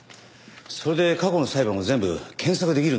それで過去の裁判は全部検索できるんですよね？